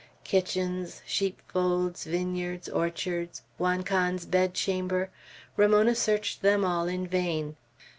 Kitchens, sheepfolds, vineyards, orchards, Juan Can's bedchamber, Ramona searched them all in vain.